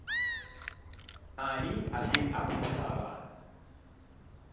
Ani akukusa abaana?